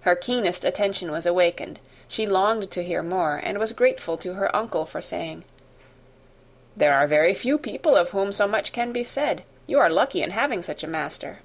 Her keenest attention was awakened: she longed to hear more; and was grateful to her uncle for saying, "There are very few people of whom so much can be said. You are lucky in having such a master."